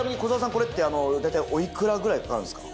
これって大体おいくらぐらいかかるんですか？